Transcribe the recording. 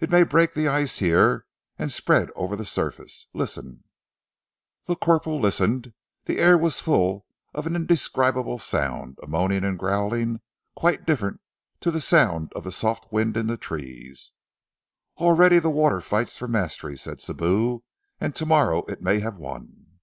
It may break the ice here, and spread over the surface. Listen." The corporal listened. The air was full of an indescribable sound, a moaning and growling, quite different to the sound of the soft wind in the trees. "Already the water fights for the mastery," said Sibou, "and tomorrow it may have won."